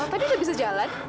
tadi udah bisa jalan